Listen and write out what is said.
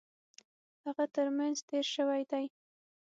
هغه ترمېنځ تېر شوی دی.